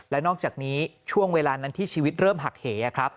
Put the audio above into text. และนอกจากนี้ช่วงเวลานั้นที่ชีวิตเริ่มหักเหครับ